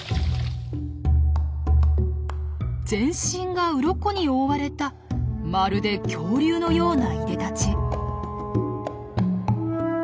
全身がうろこに覆われたまるで恐竜のようないでたち。